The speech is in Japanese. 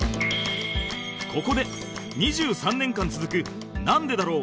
ここで２３年間続く『なんでだろう』